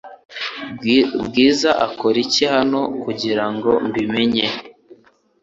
Bwiza akora iki hano kugirango mbi menye